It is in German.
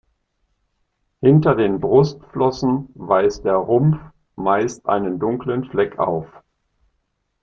Hinter den Brustflossen weist der Rumpf meist einen dunklen Fleck auf.